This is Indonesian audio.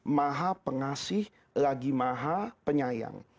maha pengasih lagi maha penyayang